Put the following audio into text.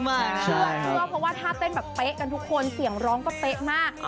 เชื่อเพราะว่าถ้าเต้นแบบเป๊ะกันทุกคนเสียงร้องก็เป๊ะมาก